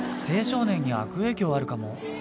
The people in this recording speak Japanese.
青少年に悪影響あるかも。